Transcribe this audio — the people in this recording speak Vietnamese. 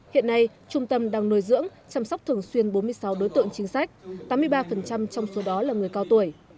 hiện nay trung tâm đang nuôi dưỡng chăm sóc thường xuyên bốn mươi sáu đối tượng chính sách tám mươi ba trong số đó là người cao tuổi